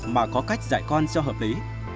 mà có cách dạy con cho hợp lý